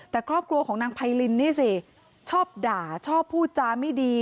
แต่ครอบครัวของนางไพรินนี่สิชอบด่าชอบพูดจาไม่ดี